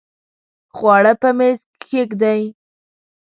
خواړه په میز کښېږدئ